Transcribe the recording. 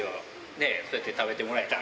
ねえ、そうやって食べてもらえたら。